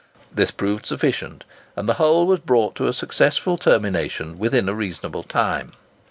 This proved sufficient, and the whole was brought to a successful termination within a reasonable time.